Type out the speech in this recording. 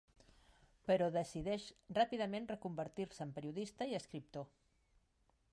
Però decideix ràpidament reconvertir-se en periodista i escriptor.